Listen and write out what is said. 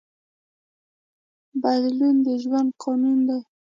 بدلون د ژوند قانون دی.